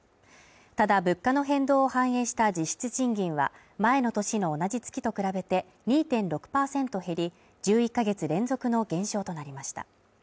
ただ物価の変動を反映した実質賃金は前の年の同じ月と比べて２．６％減り、１１か月連続の減少となりました。